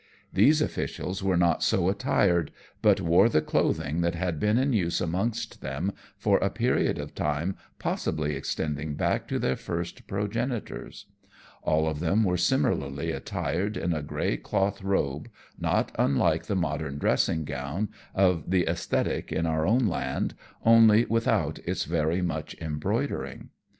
These officials were not so attired, but wore the clothing that had been in use amongst them for a period of time possibly extending back to their first progenitors. All of them were similarly attired in a grey cloth robe, not unlike the modern dressing gown of the aesthetic in our own land, only without its very much embroidering.